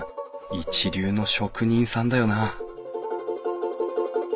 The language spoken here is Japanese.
一流の職人さんだよな